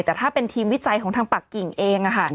แต่ถ้าเป็นทีมวิจัยของทางปากกิ่งเอง